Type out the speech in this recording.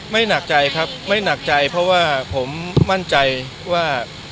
หนักใจครับไม่หนักใจเพราะว่าผมมั่นใจว่า